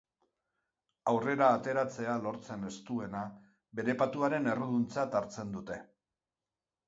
Aurrera ateratzea lortzen ez duena, bere patuaren erruduntzat hartzen dute.